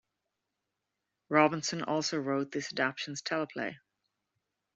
Robinson also wrote this adaptation's teleplay.